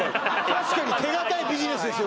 確かに手堅いビジネスですよ